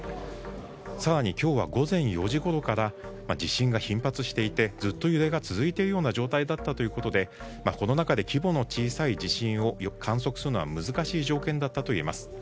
更に今日は午前４時ごろから地震が頻発していてずっと揺れが続いているような状態だったということでこの中で規模の小さい地震を観測するのは難しい条件だったといえます。